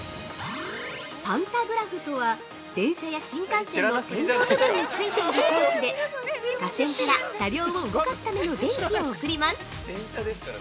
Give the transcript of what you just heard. ◆パンタグラフとは電車や新幹線の天井部分についている装置で架線から、車両を動かすための電気を送ります。